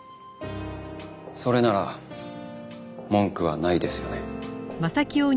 それなら文句はないですよね？